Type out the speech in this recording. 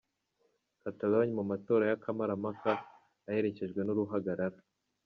Catalogne mu matora ya kamarampaka, aherekejwe n'uruhagarara.